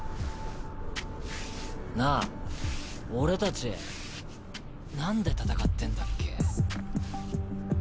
なあ俺達何で戦ってんだっけ？